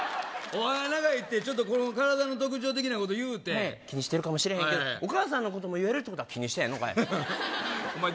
「おはながながい」ってちょっとこの体の特徴的なこと言うて気にしてるかもしれへんけどおかあさんのことも言えるってことは気にしてへんのかいお前